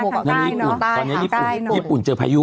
ตอนนี้ญี่ปุ่นเจอพายุ